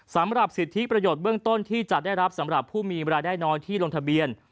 สำหรับสิทธิประโยชน์เบื้องต้นที่จะได้รับสำหรับผู้มีเวลาได้น้อยที่ลงทะเบียน